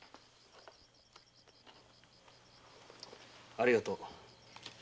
ありがとう。